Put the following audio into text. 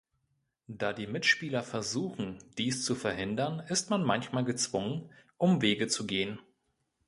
Da die Mitspieler versuchen, dies zu verhindern, ist man manchmal gezwungen, Umwege zu gehen.